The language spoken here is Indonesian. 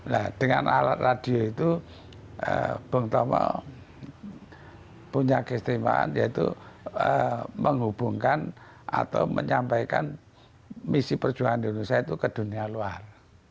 nah dengan alat radio itu bung tomo punya kesetimaan yaitu menghubungkan atau menyampaikan misi perjuangan di indonesia itu ke dunia luar